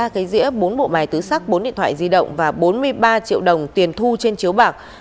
ba giấy bốn bộ mài tứ sắc bốn điện thoại di động và bốn mươi ba triệu đồng tiền thu trên chiếu bạc